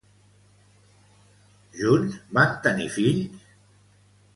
Junts van tenir fills?